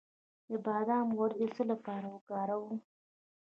د بادام غوړي د څه لپاره وکاروم؟